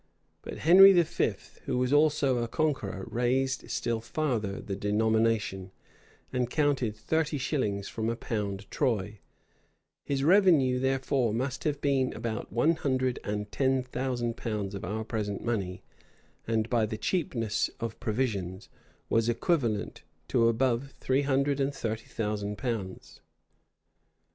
But Henry V., who was also a conqueror, raised still farther the denomination, and counted thirty shillings from a pound troy:[] his revenue therefore must have been about one hundred and ten thousand pounds of our present money; and by the cheapness of provisions, was equivalent to above three hundred and thirty thousand pounds.